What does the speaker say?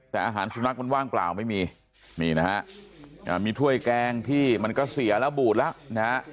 แต่อาหารสุนัขมันว่างเปล่าไม่มีนี่นะฮะมีถ้วยแกงที่มันก็เสียแล้วบูดแล้วนะฮะ